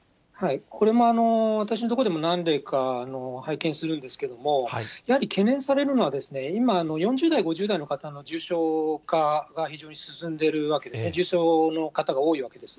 これも私の所でも何例か拝見するんですけれども、やはり懸念されるのは、今、４０代、５０代の方の重症化が非常に進んでるわけですね、重症の方が多いわけです。